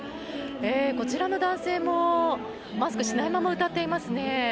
こちらの男性もマスクしないまま歌っていますね。